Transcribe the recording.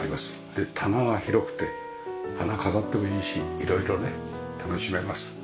で棚が広くて花飾ってもいいし色々ね楽しめます。